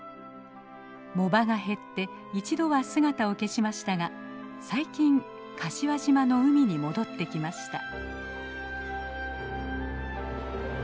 藻場が減って一度は姿を消しましたが最近柏島の海に戻ってきました。